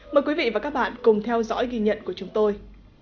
mời quý vị và các bạn cùng theo dõi ghi nhận của chúng tôi